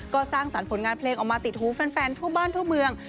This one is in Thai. ก็สร้างสรรค์ผลงานเพลงออกมาติดหูแฟนทั่วบ้านทั่วเมือง